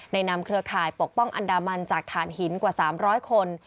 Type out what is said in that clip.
นำเครือข่ายปกป้องอันดามันจากฐานหินกว่า๓๐๐คน